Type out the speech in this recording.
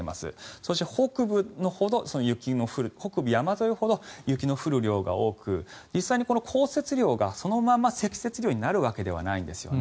そして、北部山沿いほど雪の降る量が多く実際に降雪量がそのまま積雪量になるわけではないんですよね。